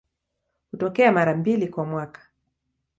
Hutokea mara mbili kwa mwaka.